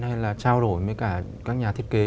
hay là trao đổi với cả các nhà thiết kế